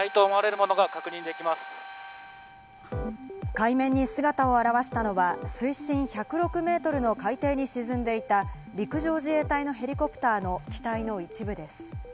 海面に姿を現したのは水深１０６メートルの海底に沈んでいた陸上自衛隊のヘリコプターの機体の一部です。